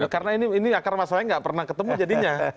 karena ini akar masalahnya nggak pernah ketemu jadinya